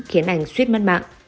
khiến anh suýt mất mạng